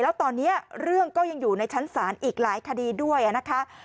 แล้วตอนนี้เรื่องก็ยังอยู่ในชั้นศาลอีกหลายคดีด้วยนะคะ